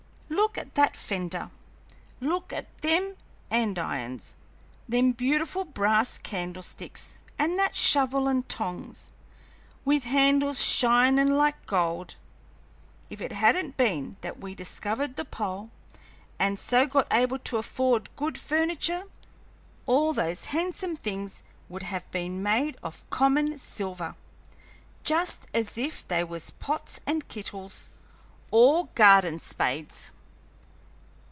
Look at that fender; look at them andirons, them beautiful brass candlesticks, and that shovel and tongs, with handles shinin' like gold! If it hadn't been that we discovered the pole, and so got able to afford good furniture, all those handsome things would have been made of common silver, just as if they was pots and kittles, or garden spades!"